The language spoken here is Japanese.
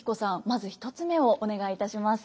まず１つ目をお願いいたします。